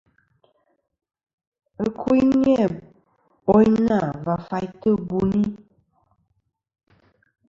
Ɨkuyn ni-a boyna va faytɨ buni.